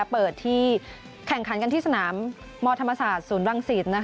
เปิดที่แข่งขันกันที่สนามมธรรมศาสตร์ศูนย์รังศิษย์